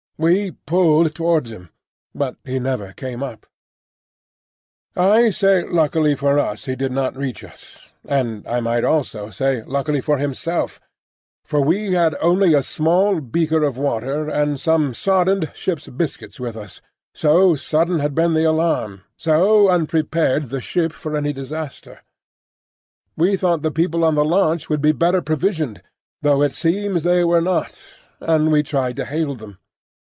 We pulled towards him, but he never came up. Daily News, March 17, 1887. I say luckily for us he did not reach us, and I might almost say luckily for himself; for we had only a small beaker of water and some soddened ship's biscuits with us, so sudden had been the alarm, so unprepared the ship for any disaster. We thought the people on the launch would be better provisioned (though it seems they were not), and we tried to hail them.